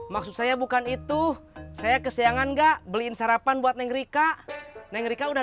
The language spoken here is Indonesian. maksud saya bukan itu saya kesiangan gak beliin sarapan buat neng rika neng rika udah